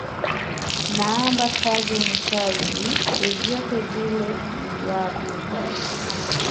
Naamba kazi ni kazi, vyovyote vile iwavyo